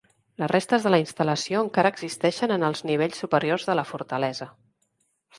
Les restes de la instal·lació encara existeixen en els nivells superiors de la fortalesa.